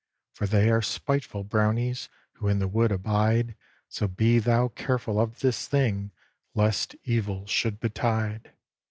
"For they are spiteful Brownies Who in the wood abide; So be thou careful of this thing, Lest evil should betide.